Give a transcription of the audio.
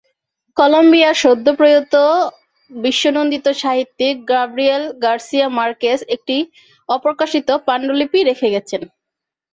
কলম্বিয়ার সদ্যপ্রয়াত বিশ্বনন্দিত সাহিত্যিক Gabriel Garcia Marquez একটি অপ্রকাশিত পাণ্ডুলিপি রেখে গেছেন।